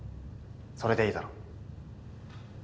それでいいだろ？